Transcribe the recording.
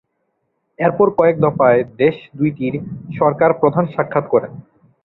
এরপরে কয়েকদফায় দেশ দুইটির সরকার প্রধান সাক্ষাৎ করেন।